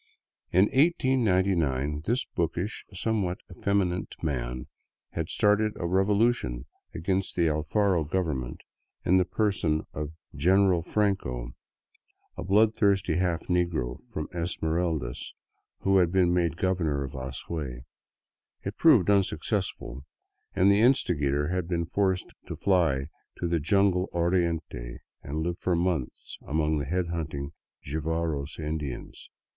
In 1899 this bookish, somewhat effeminate man had started a revolution against the Alfaro government in the person of General 190 \ THROUGH SOUTHERN ECUADOR Franco, a blood thirsty half negro from Esmeraldas, who had been made governor of Azuay. It proved unsuccessful, and the instigator had been forced to fly to the jungled Oriente and live for months among the head hunting Jivaros Indians.